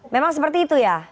memang seperti itu ya